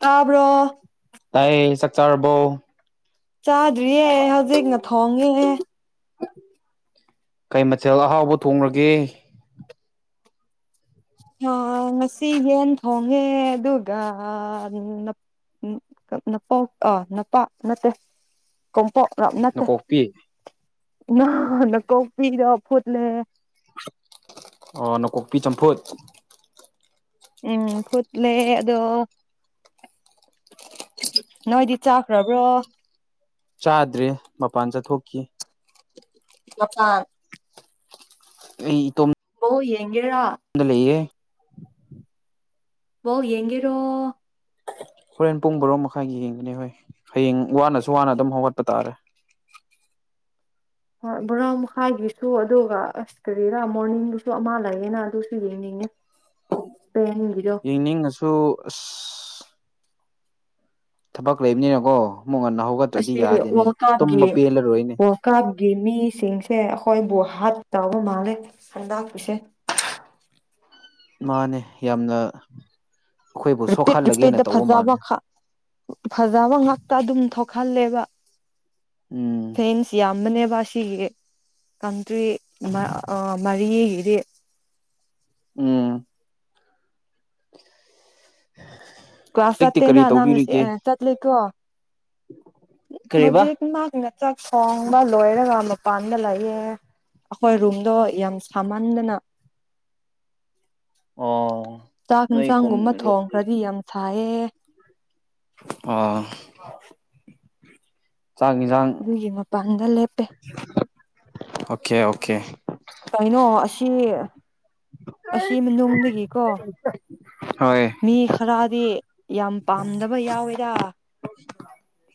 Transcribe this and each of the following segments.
ꯇꯥꯕ꯭ꯔꯣ ꯇꯥꯏꯌꯦ ꯆꯥꯛ ꯆꯥꯥꯔꯕꯣ ꯆꯥꯗ꯭ꯔꯤꯌꯦ ꯍꯧꯖꯤꯛꯅ ꯊꯣꯡꯉꯤꯌꯦ ꯀꯩ ꯃꯊꯦꯜ ꯑꯍꯥꯎꯕ ꯊꯣꯡꯔꯒꯦ ꯑ ꯉꯁꯤ ꯌꯦꯟ ꯊꯣꯡꯉꯦ ꯑꯗꯨꯒ ꯎꯝ ꯅꯄꯣꯛ ꯑ ꯅꯄꯥꯛ ꯅꯠꯇꯦ ꯀꯣꯝꯄꯥꯛ ꯄꯥꯛ ꯅꯠꯇꯦ ꯅꯥꯀꯣꯛꯄꯤ ꯅꯥ ꯅꯥꯀꯣꯛꯄꯤꯗꯣ ꯐꯨꯠꯂꯦ ꯑꯣ ꯅꯀꯣꯛꯄꯤ ꯆꯝꯐꯨꯠ ꯎꯝ ꯐꯨꯠꯂꯦ ꯑꯗꯣ ꯅꯣꯏꯗꯤ ꯆꯥꯈ꯭ꯔꯕ꯭ꯔꯣ ꯆꯥꯗ꯭ꯔꯦ ꯃꯄꯥꯟ ꯆꯠꯊꯣꯛꯈꯤ ꯃꯄꯥꯥꯟ ꯑꯩ ꯏꯇꯣꯝ ꯃꯋꯣ ꯌꯦꯡꯒꯦꯔꯥ ꯗ ꯂꯩꯌꯦ ꯃꯋꯣ ꯌꯦꯡꯒꯦꯔꯣ ꯍꯣꯔꯦꯟ ꯄꯨꯡ ꯕꯔꯣ ꯃꯈꯥꯏꯒꯤ ꯌꯦꯡꯒꯅꯤ ꯍꯣꯏ ꯍꯌꯦꯡ ꯋꯥꯅꯁꯨ ꯋꯥꯅ ꯑꯗꯨꯝ ꯍꯧꯒꯠꯄ ꯇꯥꯔꯦ ꯍꯣꯏ ꯕꯣꯔꯥ ꯃꯈꯥꯏꯒꯤꯁꯨ ꯑꯗꯨꯒ ꯑꯁ ꯀꯔꯤꯔꯥ ꯃꯣꯔꯅꯤꯡꯗꯨꯁꯨ ꯑꯃ ꯂꯩꯌꯦꯅ ꯑꯗꯨꯁꯨ ꯌꯦꯡꯅꯤꯡꯉꯦ [inaudible] ꯄꯦꯡꯒꯤꯗꯣ ꯌꯦꯡꯅꯤꯡꯉꯁꯨ ꯑꯁ ꯊꯕꯛ ꯂꯩꯕꯅꯤꯅꯀꯣ ꯑꯃꯨꯛ ꯉꯟꯅ ꯍꯧꯒꯠꯇ꯭ꯔꯗꯤ ꯑꯁꯤ ꯌꯥꯗꯦꯅꯦ ꯇꯨꯝꯕ ꯄꯦꯜꯂꯔꯣꯏꯅꯦ ꯀꯥꯞꯗꯤ ꯃꯤꯁꯤꯡꯁꯦ ꯑꯩꯈꯣꯏꯕꯨ ꯍꯥꯠ ꯇꯧꯕ ꯃꯥꯜꯂꯦ ꯍꯟꯗꯥꯛꯄꯤꯁꯦ ꯃꯥꯅꯦ ꯌꯥꯝꯅ ꯑꯩꯈꯣꯏꯕꯨ ꯔꯤꯄꯤꯠ ꯁꯣꯛꯍꯜꯂꯒꯦꯅ ꯔꯤꯄꯤꯠꯇ ꯇꯧꯕ ꯐꯖꯕ ꯃꯥꯜꯂꯦ ꯈꯥꯛ ꯐꯖꯕ ꯉꯥꯛꯇ ꯑꯗꯨꯝ ꯊꯣꯛꯍꯜꯂꯦꯕ ꯎꯝ ꯐꯦꯟꯁ ꯌꯥꯝꯅꯅꯦꯕ ꯑꯁꯤꯒꯤ ꯀꯟꯇ꯭ꯔꯤ ꯃ ꯑ ꯃꯔꯤꯒꯤꯗꯤ ꯎꯝ [inaudible] ꯀ꯭ꯂꯥꯁ ꯀꯔꯤ ꯆꯠꯇꯦꯅ ꯅꯪ ꯉꯁꯤ ꯇꯧꯕꯤꯔꯤꯒꯦ ꯑꯦ ꯆꯠꯂꯤꯀꯣ ꯀꯔꯤꯕ ꯍꯧꯖꯤꯛ ꯃꯥꯒꯤꯅ ꯆꯥꯛ ꯊꯣꯡꯕ ꯂꯣꯏꯔꯒ ꯃꯄꯥꯟꯗ ꯂꯥꯛꯏꯌꯦ ꯑꯩꯈꯣꯏ ꯔꯨꯝꯗꯣ ꯌꯥꯝ ꯁꯥꯃꯟꯗꯅ [inaudible] ꯑꯣ ꯆꯥꯛ ꯅꯣꯏ ꯀꯨꯝ ꯌꯦꯟꯁꯥꯡꯒꯨꯝꯕ ꯔꯣꯝꯗꯤ ꯊꯣꯡꯈ꯭ꯔꯗꯤ ꯌꯥꯝ ꯁꯥꯏꯌꯦ ꯑ ꯆꯥꯛ ꯖꯥꯡ ꯑꯗꯨꯒꯤ ꯃꯄꯥꯟꯗ ꯂꯦꯞꯄꯦ ꯑꯣꯀꯦ ꯑꯣꯀꯦ ꯀꯩꯅꯣ ꯑꯁꯤ ꯑꯁꯤ ꯃꯅꯨꯡꯗꯒꯤꯀꯣ ꯍꯣꯏ ꯃꯤ ꯈꯔꯗꯤ ꯌꯥꯝ ꯄꯥꯝꯗꯕ ꯌꯥꯎꯏꯗ [inaudible]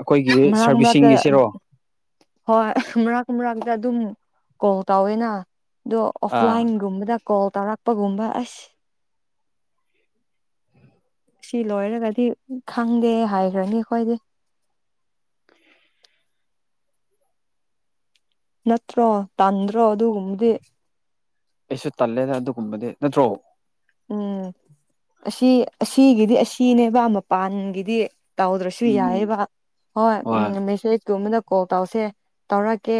ꯑꯩꯈꯣꯏꯒꯤ ꯃꯔꯛ ꯃꯔꯛꯇ ꯁꯔꯕꯤꯁꯤꯡꯒꯤꯁꯤꯔꯣ ꯍꯣꯏ ꯃꯔꯛ ꯃꯛꯇꯛꯇ ꯑꯗꯨꯝ ꯀꯣꯜ ꯇꯧꯋꯦꯅ ꯑꯗꯣ ꯑꯥ ꯑꯣꯐꯂꯥꯏꯟꯒꯨꯝꯕꯗ ꯀꯣꯜ ꯇꯧꯔꯛꯄꯒꯨꯝꯕ ꯑꯁ ꯁꯤ ꯂꯣꯏꯔꯒꯗꯤ ꯈꯪꯗꯦ ꯍꯥꯏꯈ꯭ꯔꯅꯤ ꯑꯩꯈꯣꯏꯗꯤ ꯅꯠꯇ꯭ꯔꯣ ꯇꯥꯟꯗ꯭ꯔꯣ ꯑꯗꯨꯒꯨꯝꯕꯗꯤ ꯑꯩꯁꯨ ꯇꯜꯂꯦꯗ ꯑꯗꯨꯒꯨꯝꯕꯗꯤ ꯅꯠꯇ꯭ꯔꯣ ꯎꯝ ꯑꯁꯤ ꯑꯁꯤꯒꯤꯗꯤ ꯑꯁꯤꯅꯦꯕ ꯃꯄꯥꯟꯒꯤꯗꯤ ꯇꯧꯗ꯭ꯔꯁꯨ ꯎꯝ ꯌꯥꯏꯑꯦꯕ ꯍꯣꯏ ꯎꯝ ꯃꯦꯁꯦꯁꯇꯨꯝꯗ ꯀꯣꯜ ꯇꯧꯁꯦ ꯇꯧꯔꯛꯀꯦ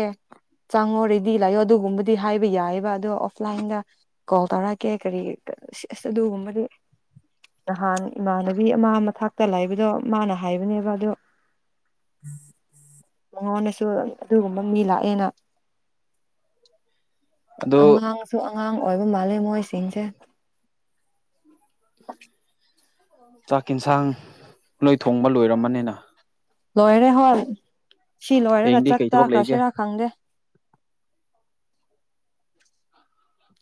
ꯆꯪꯉꯣ ꯔꯦꯗꯤ ꯂꯩꯌꫭ ꯑꯗꯨꯒꯨꯝꯕꯗꯤ ꯍꯥꯏꯕ ꯌꯥꯏꯕ ꯑꯗꯣ ꯑꯣꯐꯂꯥꯏꯟꯗ ꯀꯣꯜ ꯇꯥꯔꯛꯀꯦ ꯀꯔꯤ ꯑꯁ ꯑꯗꯨꯒꯨꯝꯕꯗꯤ ꯅꯍꯥꯟ ꯏꯃꯥꯟꯅꯕꯤ ꯑꯃ ꯃꯊꯥꯛꯇ ꯂꯥꯛꯕꯗꯣ ꯃꯥꯅ ꯍꯥꯏꯕꯅꯦꯕ ꯑꯗꯣ [inaudible] ꯃꯉꯣꯟꯗꯁꯨ ꯑꯗꯨꯒꯨꯝꯕ ꯃꯤ ꯂꯥꯛꯑꯦꯅ ꯑꯗꯨ ꯑꯉꯥꯡꯁꯨ ꯑꯉꯥꯡ ꯑꯣꯏꯕ ꯃꯥꯜꯂꯦ ꯃꯣꯏꯁꯤꯡꯁꯦ [inaudible] ꯆꯥꯛ ꯏꯟꯁꯥꯡ ꯂꯣꯏ ꯊꯣꯡꯕ ꯂꯣꯏꯔꯝꯃꯅꯤꯅ ꯂꯣꯏꯔꯦ ꯍꯣꯏ ꯁꯤ ꯂꯣꯏꯔꯒ ꯍꯌꯦꯡꯗꯤ ꯆꯥꯛ ꯀꯩ ꯊꯕꯛ ꯂꯩꯒꯦ ꯆꯥꯈ꯭ꯔꯁꯤꯔ ꯈꯪꯗꯦ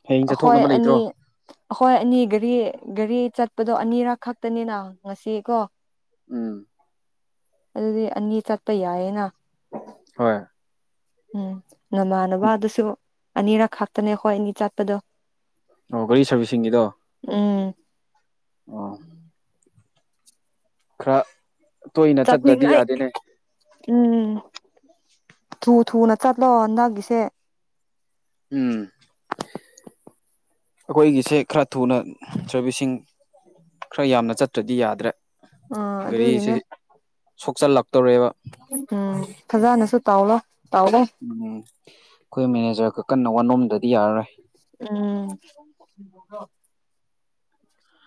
ꯍꯌꯦꯡ ꯑꯈꫭꯏ ꯆꯠꯊꯣꯛꯅꯕ ꯑꯅꯤ ꯂꯩꯇ꯭ꯔꯣ ꯑꯩꯈꯣꯏ ꯑꯅꯤ ꯒꯥꯔꯤ ꯒꯥꯔꯤ ꯆꯠꯄꯗꯣ ꯑꯅꯤꯔꯛ ꯈꯛꯇꯅꯤꯅ ꯉꯁꯤ ꯀꯣ ꯎꯝ ꯑꯗꯨꯗꯤ ꯑꯅꯤ ꯆꯠꯄ ꯌꯥꯏꯌꯦꯅ ꯍꯣꯏ ꯎꯝ ꯅꯃꯥꯟꯅꯕ ꯑꯗꯨꯁꯨ ꯑꯅꯤꯔꯛ ꯈꯥꯛꯇꯅꯦ ꯑꯩꯈꯣꯏ ꯑꯅꯤ ꯆꯠꯄꯗꯣ ꯑꯣ ꯒꯥꯔꯤ ꯁꯥꯔꯕꯤꯁꯤꯡꯒꯤꯗꯣ ꯎꯝ ꯑꯣ ꯈꯔ ꯇꯣꯏꯅ ꯆꯠꯇ꯭ꯔꯗꯤ ꯆꯠꯅꯤꯡꯉꯥꯏ ꯌꯥꯗꯦꯅꯦ ꯎꯝ ꯊꯨ ꯊꯨꯅ ꯆꯠꯂꯣ ꯅꯪꯒꯤꯁꯦ ꯎꯝ ꯑꯩꯈꯣꯏꯒꯤꯁꯦ ꯈꯔ ꯊꯨꯅ ꯁꯥꯔꯕꯤꯁꯤꯡ ꯈꯔ ꯌꯥꯝꯅ ꯆꯠꯇ꯭ꯔꯗꯤ ꯌꯥꯗ꯭ꯔꯦ ꯑꯥ ꯒꯥꯔꯤꯁꯤ ꯑꯗꯨꯒꯤꯅꯦ ꯁꯣꯛꯆꯜꯂꯛꯇꯧꯔꯦꯕ ꯎꯝ ꯐꯖꯅꯁꯨ ꯇꯥꯎꯂꯣ ꯇꯥꯎꯋꫭ ꯎꯝ ꯑꯩꯈꯣꯏ ꯃꯦꯅꯦꯖꯔ ꯈ ꯀꯟꯅ ꯋꯥꯅꯣꯝꯗꯗꯤ ꯌꯥꯔꯔꯣꯏ ꯎꯝ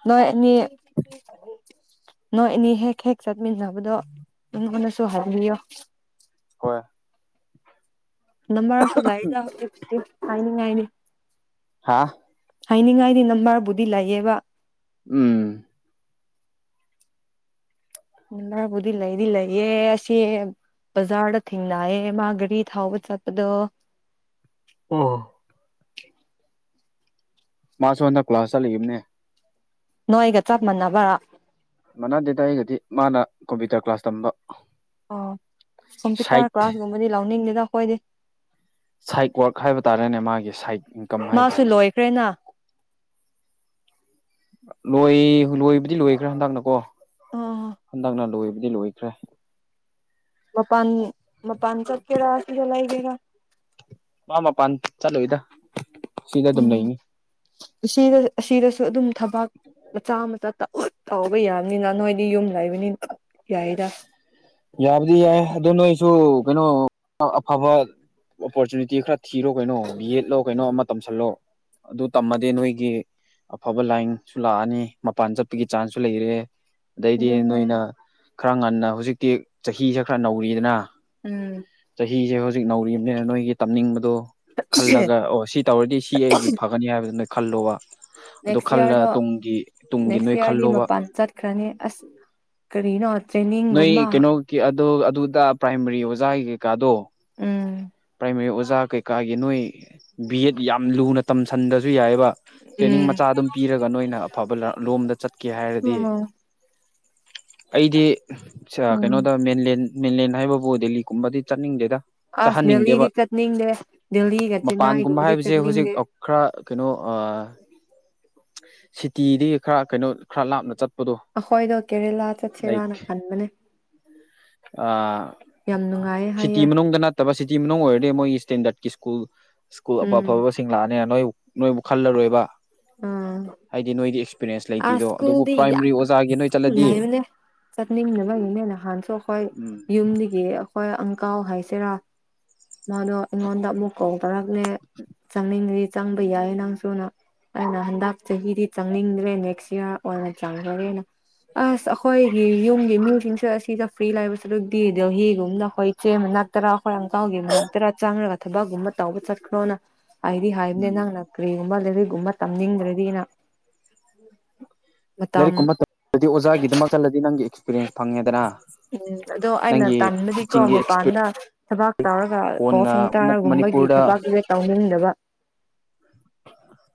ꯅꯣꯏ ꯑꯅꯤ ꯅꯣꯏ ꯑꯅꯤ ꯍꯦꯛ ꯍꯦꯛ ꯆꯥꯠꯃꯤꯟꯅꯕꯗꯣ ꯃꯉꯣꯟꯗꯁꯨ ꯍꯥꯏꯕꯤꯌꯣ ꯍꯣꯏ ꯅꯝꯕꯥꯔꯁꯨ ꯂꯥꯏꯗ ꯑꯗꯨꯕꯨꯗꯤ ꯍꯥꯏꯅꯤꯡꯉꯥꯏꯅꯤ ꯍꯥꯥ ꯍꯥꯏꯅꯤꯡꯉꯥꯏꯗꯤ ꯅꯝꯕꯔꯕꯨꯗꯤ ꯂꯩꯌꯦꯕ ꯎꯝ ꯅꯝꯕꯔꯕꯨꯗꯤ ꯂꯩꯗꯤ ꯂꯩꯌꯦ ꯑꯁꯤ ꯕꯖꯥꯔꯗ ꯊꯦꯡꯅꯩꯌꯦ ꯃꯥ ꯒꯥꯔꯤ ꯊꯥꯎꯕ ꯆꯠꯄꯗꯣ ꯑꯣ ꯃꯥꯁꯨ ꯍꯟꯗꯛ ꯀ꯭ꯂꯥꯁ ꯆꯠꯂꯤꯕꯅꯦ ꯅꯣꯏꯒ ꯆꯞ ꯃꯥꯟꯅꯥꯕ ꯃꯟꯅꯥꯗꯦꯗꯥ ꯑꯩꯒꯗꯤ ꯃꯥꯅ ꯀꯝꯄ꯭ꯌꯨꯇꯔ ꯀ꯭ꯂꯥꯁ ꯇꯝꯕ ꯑꯣ ꯁꯥꯏꯠ ꯀꯝꯄ꯭ꯌꯨꯇꯔ ꯀ꯭ꯂꯥꯁꯒꯨꯝꯕꯗꯤ ꯂꯧꯅꯤꯡꯗꯦꯗ ꯑꯩꯈꯣꯏꯗꯤ ꯁꯥꯏꯠ ꯋꯥꯔꯛ ꯍꯥꯏꯕ ꯇꯥꯔꯦꯅꯦ ꯃꯥꯒꯤ ꯁꯥꯏꯠ ꯏꯟꯀꯝ ꯍꯥꯏꯕ ꯃꯥꯁꯨ ꯇꯥꯔꯦꯅꯦ ꯂꯣꯏꯈ꯭ꯔꯦꯅ ꯂꯣꯏ ꯂꯣꯏꯕꯗꯤ ꯂꯣꯏꯈ꯭ꯔꯦ ꯍꯟꯗꯛꯅꯀꯣ ꯑꯥ ꯍꯟꯗꯛꯅ ꯂꯣꯏꯕꯗꯤ ꯂꯣꯏꯈ꯭ꯔꯦ ꯃꯄꯥꯟ ꯃꯄꯥꯟ ꯆꯠꯀꯦꯔ ꯁꯤꯗ ꯂꯩꯒꯦꯔ ꯃꯥ ꯃꯥꯄꯥꯟ ꯆꯠꯂꯣꯏꯗ ꯁꯤꯗ ꯑꯗꯨꯝ ꯎꯝ ꯂꯩꯅꯤ ꯑꯁꯤꯗ ꯑꯁꯤꯗꯁꯨ ꯑꯗꯨꯝ ꯊꯕꯥꯛ ꯃꯆꯥ ꯃꯇ ꯇꯧ ꯇꯧꯕ ꯌꯥꯕꯅꯤꯅ ꯅꯣꯏꯗꯤ ꯌꯨꯝ ꯂꯩꯕꯅꯤꯅ ꯌꯥꯏꯗ ꯌꯥꯕꯨꯗꯤ ꯌꯥꯏ ꯑꯗꯣ ꯅꯣꯏꯁꯨ ꯀꯩꯅꯣ ꯑꯐꯕ ꯑꯣꯄꯣꯔꯆꯨꯅꯤꯇꯤ ꯈꯔ ꯊꯤꯔꯣ ꯀꯩꯅꯣ ꯕꯦꯠ ꯂꯣ ꯀꯩꯅꯣ ꯑꯃ ꯇꯧꯁꯜꯂꯣ ꯑꯗꯨ ꯇꯝꯃꯗꯤ ꯅꯣꯏꯒꯤ ꯑꯐꯕ ꯂꯥꯏꯟꯁꯨ ꯂꯥꯛꯑꯅꯤ ꯃꯄꯥꯟ ꯆꯠꯄꯒꯤ ꯆꯥꯟꯁꯁꯨ ꯂꯩꯔꯦ ꯑꯗꯩꯗꯤ ꯑꯗꯨꯅꯦ ꯅꯣꯏꯅ ꯈꯔ ꯉꯟꯅ ꯍꯧꯖꯤꯛꯇꯤ ꯆꯍꯤꯁꯦ ꯈꯔ ꯅꯧꯔꯤꯗꯅ ꯎꯝ ꯆꯍꯤꯁꯦ ꯍꯧꯖꯤꯛ ꯅꯧꯔꯤꯕꯅꯤꯅ ꯅꯣꯏꯒꯤ ꯇꯝꯅꯤꯡꯕꯗꯣ ꯈꯜꯂꯒ ꯑꯣ ꯁꯤ ꯇꯧꯔꯗꯤ ꯁꯤ ꯑꯩꯒꯤ ꯐꯒꯅꯤ ꯍꯥꯏꯕꯗꯨ ꯅꯣꯢ ꯈꯜꯂꯣꯕ ꯑꯗꯨ ꯅꯦꯛꯁ ꯈꯜꯂ ꯏꯌꯥꯔꯗꯣ ꯇꯨꯡꯒꯤ ꯇꯨꯡꯒꯤ ꯅꯣꯏ ꯈꯜꯂꯨꯕ ꯈꯪꯉꯤ ꯑꯁ ꯀꯔꯤꯅꯣ ꯅꯣꯏ ꯇ꯭ꯔꯦꯅꯤꯡꯒꯨꯝꯕ ꯀꯩꯅꯣꯒꯤ ꯑꯗꯨ ꯑꯗꯨꯗ ꯄ꯭ꯔꯥꯏꯃꯥꯔꯤ ꯑꯣꯖꯥꯒꯤ ꯀꯩꯀꯥꯗꯣ ꯎꯝ ꯄ꯭ꯔꯥꯏꯃꯥꯔꯤ ꯑꯣꯖꯥ ꯀꯩꯀꯥꯒꯤ ꯅꯣꯏ ꯕꯤꯠ ꯌꯥꯝ ꯂꯨꯅ ꯇꯝ ꯁꯟꯗ꯭ꯔꯁꯨ ꯌꯥꯏꯑꯦꯕ ꯇ꯭ꯔꯦꯅꯤꯡ ꯎꯝ ꯃꯆꯥ ꯑꯗꯨꯝ ꯄꯤꯔꯒ ꯅꯣꯏꯅ ꯑꯐꯕ ꯂꯣꯝꯗ ꯆꯠꯀꯦ ꯍꯥꯏꯔꯗꯤ ꯎꯝ ꯑꯩꯗꯤ ꯎꯝ ꯀꯩꯅꯣꯗ ꯃꯦꯟꯂꯦꯟ ꯃꯦꯟꯂꯦꯟ ꯍꯥꯏꯕꯕꯨ ꯗꯦꯜꯂꯤꯒꯨꯝꯕꯗꯤ ꯆꯠꯅꯤꯡꯗꯦꯗ ꯑꯁ ꯆꯥꯍꯟꯅꯤꯡꯗꯦꯕ ꯗꯦꯜꯂꯤꯗꯤ ꯆꯠꯅꯤꯡꯗꯦ ꯗꯦꯜꯂꯤꯒ ꯃꯄꯥꯟꯒꯨꯝꯕ ꯆꯦꯟꯅꯥꯏꯒꯨꯝꯕꯗꯤ ꯍꯥꯏꯕꯁꯦ ꯍꯧꯖꯤꯛ ꯆꯠꯅꯤꯡꯗꯦ ꯈꯔ ꯀꯩꯅꯣ ꯁꯤꯇꯤꯗꯒꯤ ꯈꯔ ꯀꯩꯅꯣ ꯈꯔ ꯂꯥꯞꯅ ꯆꯠꯄ ꯑꯩꯈꯣꯏꯗꯣ ꯀꯦꯔꯦꯂꯥ ꯆꯠꯁꯤꯔꯥꯅ ꯈꯟꯕꯅꯦ ꯌꯥꯝ ꯅꯨꯡꯉꯥꯏꯌꯦ ꯁꯤꯇꯤ ꯍꯥꯏꯌꯦ ꯃꯅꯨꯡꯗ ꯅꯠꯇꯕ ꯁꯤꯇꯤ ꯃꯅꯨꯡ ꯑꯣꯏꯔꯗꯤ ꯃꯣꯏ ꯏꯁꯇꯦꯟꯗꯔꯠꯀꯤ ꯁ꯭ꯀꯨꯜ ꯁ꯭ꯀꯨꯜ ꯑꯐ ꯎꯝ ꯑꯐꯕꯁꯤꯡ ꯂꯥꯛꯑꯅꯤ ꯅꯣꯏ ꯅꯣꯏꯕꯨ ꯈꯜꯂꯔꯣꯏꯕ ꯎꯝ ꯍꯥꯏꯗꯤ ꯅꯣꯏꯗꯤ ꯑꯦꯛꯁꯄꯤꯔꯤꯌꯦꯟꯁ ꯑꯥ ꯂꯩꯇꯦꯗꯣ ꯑꯗꯨꯕꯨ ꯁ꯭ꯀꯨꯜꯗꯤ ꯄ꯭ꯔꯥꯏꯃꯔꯤ ꯑꯣꯖꯥꯒꯤ ꯅꯣꯏ ꯆꯠꯂꯗꯤ ꯆꯠꯅꯤꯡꯅꯕꯒꯤꯅꯦ ꯅꯍꯥꯟꯁꯨ ꯑꯩꯈꯣꯏ ꯎꯝ ꯌꯨꯝꯗꯒꯤ ꯍꯣꯏ ꯑꯪꯀꯥꯎ ꯍꯥꯏꯁꯤꯔꯥ ꯃꯥꯗꯣ ꯑꯩꯉꯣꯟꯗ ꯑꯃꯨꯛ ꯀ‌ꯣꯜ ꯇꯧꯔꯛꯂ‌ꯦ ꯆꯪꯅꯤꯡꯗꯗꯤ ꯆꯪꯕ ꯌꯥꯏ ꯅꯪꯁꯨꯨꯅ ꯑꯩꯅ ꯍꯟꯗꯛ ꯆꯍꯤꯗꯤ ꯆꯪꯅꯤꯡꯗ꯭ꯔꯦ ꯅꯦꯛꯁ ꯏꯌꯥꯔ ꯑꯣꯏꯅ ꯆꯪꯔꯒ‌ꯦꯅ ꯑꯁ ꯑꯩꯈꯣꯏꯒꯤ ꯌꯨꯝꯒꯤ ꯃꯤꯁꯤꯡꯁꯦ ꯑꯁꯤꯗ ꯐ꯭ꯔꯤ ꯂꯩꯕꯁꯨ ꯑꯗꯨꯗꯤ ꯗꯍꯤꯒꯨꯝꯅ ꯑꯩꯈꯣꯏ ꯆꯦ ꯃꯅꯥꯛ ꯇꯔꯥ ꯍꯈꯣꯏ ꯀꯥꯎꯒꯦ ꯃꯅꯥꯛ ꯇꯔꯥ ꯆꯥꯡꯒ ꯊꯕꯛꯒꯨꯝꯕ ꯇꯧꯕ ꯆꯠꯈ꯭ꯔꯣꯅ ꯍꯥꯏꯗꯤ ꯍꯥꯏꯗꯅꯦ ꯅꯪ ꯅ ꯀ꯭ꯔꯤꯒꯨꯝꯕ ꯂꯩꯔꯤꯒꯨꯝ ꯇꯝꯅꯤꯡꯗ꯭ꯔꯗꯤꯅ ꯃꯇꯝ ꯑꯗꯨꯗꯤ ꯑꯣꯖꯥꯒꯤꯗꯃꯛ ꯆꯜꯂꯗꯤ ꯅꯪꯒꯤ ꯑꯦꯛꯁꯄꯤꯔꯤꯌꯦꯟꯁ ꯐꯪꯉꯦꯗꯅ ꯎꯝ ꯑꯗꯣ ꯑꯩꯅ ꯅꯪꯒꯤ ꯇꯃꯗꯤꯀꯣ ꯇꯤꯆꯤꯡꯒꯤ ꯑꯦꯛꯁꯄꯤꯔ ꯃꯄꯥꯟꯅ ꯊꯕꯛ ꯇꯧꯔꯒ ꯀꯣ ꯀꯣꯟꯅ ꯑꯃꯨꯛ ꯁꯦꯟꯇꯥꯔꯒꯨꯝꯕꯒꯤ ꯃꯅꯤꯄꯨꯔꯗ ꯊꯕꯥꯛꯨꯗ ꯇꯧꯅꯤꯡꯗꯕ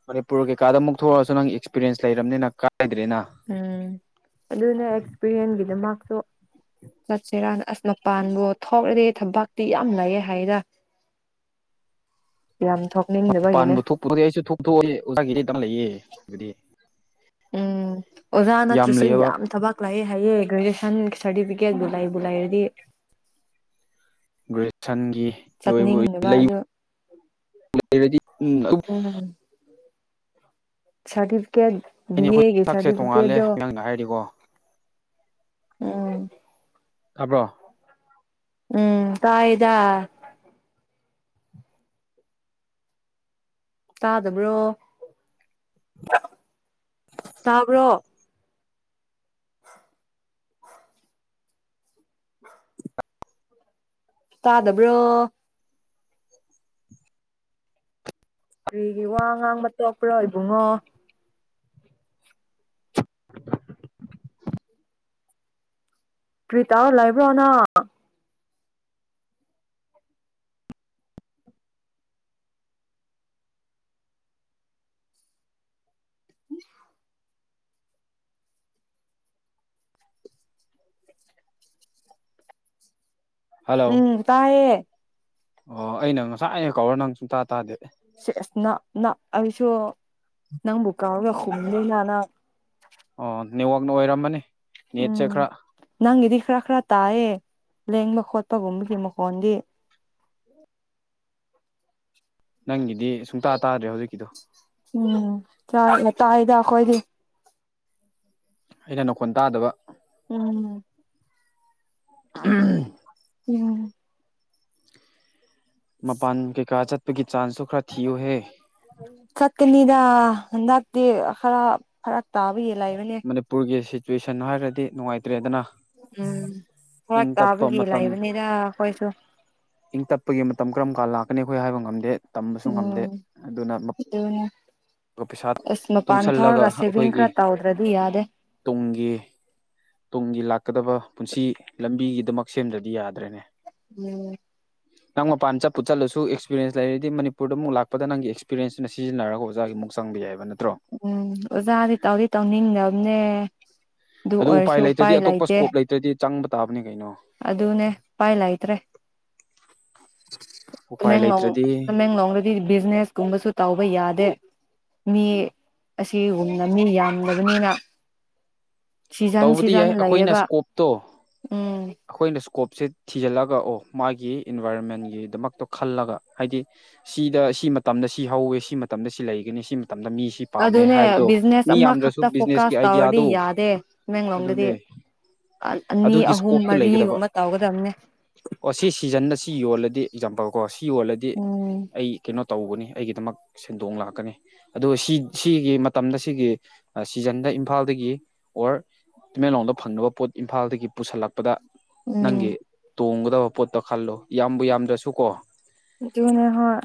ꯃꯅꯤꯄꯨꯔ ꯀꯩꯀꯥꯗ ꯑꯃꯨꯛ ꯊꯣꯛꯂꯛꯑꯁꯨ ꯅꯪ ꯑꯦꯛꯁꯄꯤꯔꯤꯌꯦꯟꯁ ꯂꯩꯔꯕꯅꯤꯅ ꯀꯥꯏꯗ꯭ꯔꯦꯅ ꯎꯝ ꯑꯗꯨꯅ ꯑꯦꯛꯁꯄꯤꯔꯤꯌꯦꯟꯁꯒꯤꯗꯃꯛꯁꯨ ꯆꯠꯁꯤꯦꯔꯥꯅ ꯑꯁ ꯃꯄꯥꯟꯕꯨꯣ ꯊꯔꯗꯤ ꯊꯕꯇꯤ ꯌꯥꯝ ꯂꯩꯌꯦ ꯍꯥꯏꯗ ꯌꯥꯝ ꯊꯣꯛ ꯃ ꯄꯥꯟꯕ ꯊꯣꯛꯄꯗꯤꯗꯤ ꯑꯩꯁꯨ ꯊꯣꯛ ꯊꯣꯛꯑꯣꯌꯦ ꯑꯣꯖꯥꯒꯤꯗꯤꯇꯪ ꯂꯩꯌꯦ ꯑꯗꯨꯗꯤ ꯎꯝ ꯑꯣꯖꯥ ꯅꯠꯇ꯭ꯔꯁꯨ ꯌꯥꯝ ꯊꯕꯥꯛ ꯀ꯭ꯂꯥꯌꯦ ꯍꯥꯏꯌꯦ ꯒꯔꯦꯖꯨꯌꯦꯁꯟ ꯁꯔꯗꯤꯕꯤꯒꯦꯠꯄꯨ ꯂꯩꯕꯨ ꯂꯩꯔꯗꯤ ꯒ꯭ꯔꯦꯁꯟꯒꯤ ꯂꯣꯏꯕꯨ ꯆꯠꯅꯤꯡꯗꯕ ꯂꯩ ꯑꯗꯨ ꯎ ꯂꯩꯔꯗꯤ ꯎ ꯁꯔꯗꯤꯐꯤꯀꯦꯠ ꯕꯤ ꯑꯩꯈꯣꯏ ꯑꯦ ꯒꯤ ꯁꯛꯁꯦ ꯇꯣꯡꯉꯥꯜꯂꯦ ꯁꯔꯗꯤꯐꯤꯀꯦꯠꯇꯣ ꯅꯪꯅ ꯍꯥꯏꯔꯗꯤꯀꯣ ꯎꯝ ꯇꯥꯕ꯭ꯔꯣ ꯎꯝ ꯇꯥꯏꯗ ꯇꯥꯗꯕ꯭ꯔꯣ ꯇꯥꯕ꯭ꯔꯣ [inaudible] ꯇꯥꯗꯕ꯭ꯔꯣ ꯀ꯭ꯔꯤꯒꯤ ꯋꯥ ꯉꯥꯡꯕ ꯇꯣꯛꯄ꯭ꯔꯣ ꯏꯕꯨꯡꯉꯣ ꯄ꯭ꯔꯤꯇꯥ ꯂꯩꯕ꯭ꯔꯣ ꯅꯥ ꯍꯜꯂꯣ ꯎꯝ ꯇꯥꯌꯦ ꯑꯣ ꯑꯩꯅ ꯉꯁꯥꯏ ꯉꯩ ꯀꯧꯔ ꯅꯪ ꯁꯨꯡꯇꯥ ꯇꯥꯗꯦ ꯁꯦꯁ ꯅ ꯅ ꯑꯩꯁꯨ ꯅꯪꯕꯨ ꯀꯥꯎꯔꯒ ꯍꯨꯝꯅꯤꯅ ꯅ ꯑꯣ ꯅꯦꯠꯋꯥꯛꯅ ꯑꯣꯏꯔꯝꯃꯅꯤ ꯅꯦꯠꯁꯦ ꯈ꯭ꯔ ꯎꯝ ꯅꯪꯒꯤꯗꯤ ꯈ꯭ꯔ ꯈ꯭ꯔ ꯇꯥꯏꯌꯦ ꯂꯦꯡꯕ ꯈꯣꯠꯄꯒꯨꯝꯕꯒꯤ ꯃꯈꯣꯟꯗꯤ ꯅꯪꯒꯤꯗꯤ ꯁꯨꯡꯇꯥ ꯇꯥꯗ꯭ꯔꯦ ꯍꯧꯖꯤꯛꯀꯤꯗꯨ ꯎꯝ ꯆ ꯇꯥꯌꯦꯗ ꯑꯈꯣꯏꯗꯤ ꯑꯩꯅ ꯅꯈꯣꯟ ꯇꯥꯗꯕ ꯎꯝ [unintelligible] ꯎꯝ ꯃꯄꯥꯟ ꯀꯩꯀꯥ ꯆꯠꯄꯒꯤ ꯆꯥꯟꯁꯁꯨ ꯈꯔ ꯊꯤꯌꯨꯍꯦ ꯆꯠꯀꯅꯤꯗ ꯍꯟꯗꯛꯇꯤ ꯈꯔ ꯐꯔꯛ ꯇꯥꯕꯒꯤ ꯂꯩꯕꯅꯦ ꯃꯅꯤꯄꯨꯔꯒꯤ ꯁꯤꯆꯨꯌꯦꯁꯟ ꯍꯥꯏꯔꯗꯤ ꯅꯨꯡꯉꯥꯏꯇ꯭ꯔꯦꯗꯅ ꯎꯝ ꯏꯪ ꯐꯔꯛ ꯇꯞꯄ ꯇꯥꯕꯒꯤ ꯃꯇꯝ ꯂꯩꯕꯅꯤꯗ ꯑꯈꯣꯏꯁꯨ ꯏꯪ ꯇꯞꯄꯒꯤ ꯃꯇꯝ ꯀꯔꯝ ꯀꯥꯟ ꯂꯥꯛꯀꯅꯤ ꯑꯩꯈꯣꯏ ꯍꯥꯏꯕ ꯉꯝꯗꯦ ꯇꯝꯕꯁꯨ ꯉꯝꯗꯦ ꯎꯝ ꯑꯗꯨꯅ ꯑꯇꯨꯅꯦ ꯄꯩꯁꯥ ꯑꯁ ꯃꯄꯥꯟ ꯇꯨꯡꯁꯜꯂꯒ ꯊꯧꯔꯒ ꯁꯦꯚꯤꯡ ꯑꯩꯈꯣꯏꯒꯤ ꯈ꯭ꯔ ꯇꯧꯗ꯭ꯔꯗꯤ ꯌꯥꯗꯦ ꯇꯨꯡꯒꯤ ꯇꯨꯡꯒꯤ ꯂꯥꯛꯀꯗꯕ ꯄꯨꯟꯁꯤ ꯂꯝꯕꯤꯒꯤꯗꯃꯛ ꯁꯦꯝꯗ꯭ꯔꯗꯤ ꯌꯥꯗ꯭ꯔꯦꯅꯦ ꯃꯥ [inaudible] ꯅꯪ ꯃꯄꯥꯟ ꯆꯠꯨ ꯆꯠꯂꯁꯨ ꯑꯦꯛꯁꯄꯤꯔꯦꯟꯁ ꯂꯩꯔꯗꯤ ꯃꯅꯤꯄꯨꯔꯗ ꯃꯨꯛ ꯂꯥꯛꯄꯗ ꯅꯪꯒꯤ ꯑꯦꯛꯁꯄꯤꯔꯦꯟꯁꯇꯨꯅ ꯁꯤꯖꯤꯟꯅꯔꯒ ꯑꯣꯖꯥꯒꯤꯃꯨꯛ ꯆꯪꯕ ꯌꯥꯏꯕ ꯅꯇ꯭ꯔꯣ ꯎꯝ ꯑꯣꯖꯥꯗꯤ ꯇꯧꯗꯤ ꯇꯧꯅꯤꯡꯗꯝꯅꯦ ꯑꯗꯨ ꯎꯄꯥꯏ ꯂꯩꯇꯗꯤ ꯑꯇꯣꯞꯄ ꯏꯁꯀꯣꯞ ꯂꯩꯇ꯭ꯔꯗꯤ ꯆꯪꯕ ꯇꯥꯕꯅꯤ ꯒꯩꯅꯣ ꯑꯗꯨꯅꯦ ꯄꯥꯏ ꯂꯩꯇ꯭ꯔꯦ ꯎꯄꯥꯏ ꯃꯦꯡꯂꯣꯡ ꯂꯩꯇ꯭ꯔꯗꯤ ꯇꯃꯦꯡꯂꯣꯡꯗꯗꯤ ꯕꯤꯖꯤꯅꯦꯁ ꯀꯨꯝꯕꯁꯨ ꯇꯧꯕ ꯌꯥꯗꯦ ꯃꯤ ꯑꯁꯤꯒꯨꯝꯅ ꯃꯤ ꯌꯥꯝꯗꯕꯅꯤꯅ ꯁꯤꯖꯟ ꯇꯧꯕꯗꯤ ꯌꯥꯏ ꯁꯤꯖꯟ ꯂꯩꯌꯦꯕ ꯎꯝ ꯑꯈꯣꯏꯅ ꯏꯁꯀꯣꯞꯁꯤ ꯊꯤꯖꯤꯜꯂꯒ ꯑꯣ ꯃꯥꯒꯤ ꯏꯟꯚꯥꯏꯔꯣꯃꯦꯟꯒꯤꯗꯃꯛꯇꯣ ꯈꯜꯂꯒ ꯍꯥꯏꯗꯤ ꯁꯤꯗ ꯁꯤ ꯃꯇꯝꯗ ꯁꯤ ꯍꯧꯋꯦ ꯁꯤ ꯃꯇꯝꯗ ꯁꯤ ꯂꯩꯒꯅꯤ ꯁꯤ ꯃꯇꯝꯗ ꯃꯤ ꯁꯤ ꯄꯥꯝꯃꯦ ꯑꯗꯨꯅꯦ ꯍꯥꯏꯕꯗꯣ ꯕꯤꯖꯤꯅꯦꯁ ꯃꯤ ꯌꯥꯝꯗ꯭ꯔꯁꯨ ꯑꯃꯥꯈꯛꯇ ꯕꯤꯖꯤꯅꯦꯁꯀꯤ ꯐꯣꯀꯁ ꯇꯧꯔꯗꯤ ꯑꯥꯏꯗꯤꯌꯥꯗꯣ ꯌꯥꯗꯦ ꯇꯃꯦꯡꯂꯣꯡꯗꯗꯤ ꯑꯗꯨꯅꯦ ꯑꯅꯤ ꯑꯗꯨꯒꯤ ꯑꯍꯨꯝ ꯏꯁꯀꯣꯞꯇꯨ ꯂꯩꯒꯗꯕ ꯃꯔꯤꯒꯨꯝꯕ ꯇꯧꯒꯗꯝꯅꯦ ꯑꯣ ꯁꯤ ꯁꯤꯖꯟꯅꯗꯥ ꯁꯤ ꯌꯣꯜꯂꯗꯤ ꯑꯦꯛꯖꯥꯝꯄꯜ ꯀꯣ ꯁꯤ ꯌꯣꯜꯂꯗꯤ ꯎꯝ ꯑꯩ ꯀꯩꯅꯣ ꯇꯧꯕꯅꯤ ꯑꯩꯒꯤꯗꯃꯛ ꯁꯦꯟꯗꯣꯡ ꯂꯥꯛꯀꯅꯤ ꯑꯗꯨꯒ ꯁꯤ ꯁꯤꯒꯤ ꯃꯇꯝꯗ ꯁꯤꯒꯤ ꯑꯥ ꯁꯤꯖꯟꯗ ꯏꯝꯐꯥꯜꯗꯒꯤ ꯑꯣꯔ ꯇꯨꯃꯦꯂꯣꯡꯗ ꯐꯪꯅꯕ ꯄꯣꯠ ꯏꯝꯐꯥꯜꯗꯒꯤ ꯄꯨꯁꯜꯂꯛꯄꯗ ꯅꯪꯒꯤ ꯎꯝ ꯇꯣꯡꯒꯗꯕ ꯄꯣꯠꯇ ꯈꯜꯂꯣ ꯌꯥꯝꯕꯨ ꯌꯥꯝꯗ꯭ꯔꯁꯨ ꯀꯣ ꯑꯗꯨꯅꯦ ꯍꯣꯏ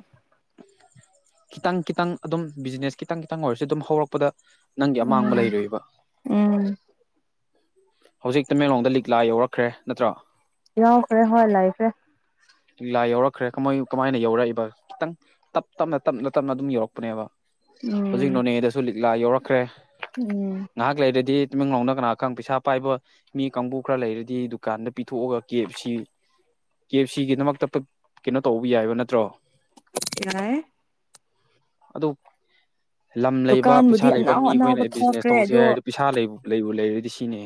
ꯈꯤꯇꯪ ꯈꯤꯇꯪ ꯑꯗꯨꯝ ꯕꯤꯖꯤꯅꯦꯁ ꯈꯤꯇꯪ ꯈꯤꯇꯪ ꯑꯣꯏꯔꯁꯨ ꯑꯗꯨꯝ ꯍꯧꯔꯛꯄꯗ ꯅꯪꯒꯤ ꯑꯃꯥꯡꯕ ꯎꯝ ꯂꯩꯔꯣꯏꯌ‌‌ꯦꯕ ꯎꯝ ꯍꯧꯖꯤꯛ ꯇꯃꯦꯂꯣꯡꯗ ꯂꯤꯛꯂꯥ ꯌꯧꯔꯛꯈ꯭ꯔꯦ ꯅꯠꯇ꯭ꯔꯣ ꯌꯥꯎꯈ꯭ꯔꯦ ꯍꯣꯏ ꯂꯩꯈ꯭ꯔꯦ ꯂꯤ ꯂꯥ ꯌꯧꯔꯛꯈ꯭ꯔꯦ ꯀꯃꯥꯏ ꯀꯃꯥꯏꯅ ꯌꯧꯔꯛꯏꯕ ꯈꯤꯇꯪ ꯇꯞ ꯇꯞꯅ ꯇꯞꯅ ꯇꯞꯅ ꯑꯗꯨꯝ ꯌꯧꯔꯛꯄꯅꯦꯕ ꯍꯨꯖꯤꯛ ꯎꯝ ꯅꯣꯅꯦꯗꯁꯨ ꯂꯤꯛꯂꯥ ꯌꯧꯔꯛꯈ꯭ꯔꯦ ꯎꯝ ꯉꯍꯥꯛ ꯂꯩꯔꯗꯤ ꯇꯃ‌ꯦꯡꯂ‌ꯣꯡꯗ ꯀꯅꯥ ꯈꯪ ꯄꯩꯁꯥ ꯄꯥꯏꯕ ꯃꯤ ꯀꯥꯡꯕꯨ ꯈꯔ ꯂꯩꯔꯗꯤ ꯗꯨꯀꯥꯟꯗ ꯄꯤꯊꯣꯛ ꯑꯒ ꯀꯦ ꯑ‌ꯦꯞ ꯁꯤ ꯀꯦ ꯑꯦꯞ ꯁꯤꯒꯤ ꯗꯃꯛꯇ ꯄꯤꯛ ꯀꯩꯅꯣ ꯇꯧꯕ ꯌꯥꯏꯕ ꯅꯠꯇ꯭ꯔꯣ ꯌꯥꯏ ꯑꯗꯨ ꯂꯝ ꯂꯩꯕ ꯗꯨꯀꯥꯟꯕꯨꯗꯤ ꯄꯤꯁꯥ ꯂꯩꯕ ꯑꯅꯧ ꯃꯤ ꯑꯈꯣꯏꯅ ꯑꯅꯧꯕ ꯕꯤꯖꯤꯅꯦꯁ ꯊꯣꯛꯈ꯭ꯔꯦ ꯇꯧꯁꯦ ꯑꯗꯣ ꯍꯥꯏꯔꯗꯤ ꯄꯤꯁꯥ ꯂꯩ ꯂꯩꯕꯨ ꯂꯩꯔꯗꯤ ꯁꯤꯅꯦ